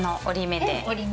折り目で。